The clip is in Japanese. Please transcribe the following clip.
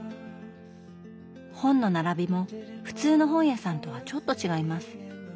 本の並びも普通の本屋さんとはちょっと違います。